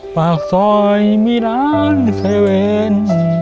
ปากซอยมีร้านเซเวน